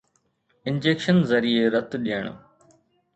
injection ذريعي رت ڏيڻ